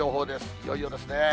いよいよですね。